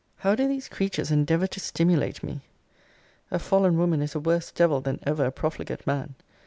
How do these creatures endeavour to stimulate me! A fallen woman is a worse devil than ever a profligate man.